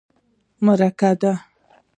_مرکه ده.